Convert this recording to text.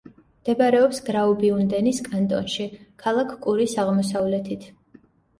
მდებარეობს გრაუბიუნდენის კანტონში, ქალაქ კურის აღმოსავლეთით.